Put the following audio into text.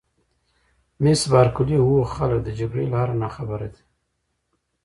مس بارکلي: هو خلک د جګړې له آره ناخبره دي.